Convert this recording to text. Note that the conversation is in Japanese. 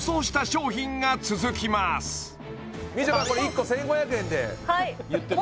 みちょぱ１個１５００円で言ってた